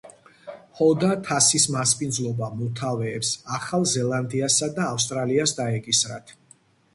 ჰოდა, თასის მასპინძლობა მოთავეებს, ახალ ზელანდიასა და ავსტრალიას დაეკისრათ.